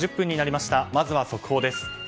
まずは速報です。